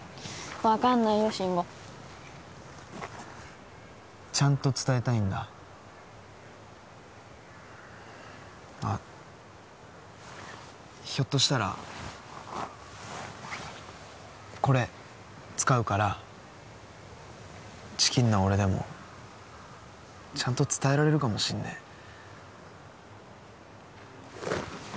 分かんないよ慎吾ちゃんと伝えたいんだあっひょっとしたらこれ使うからチキンな俺でもちゃんと伝えられるかもしんねえ